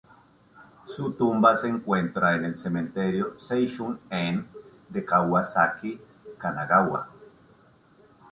Su tumba se encuentra en el cementerio Seishun-en de Kawasaki, Kanagawa.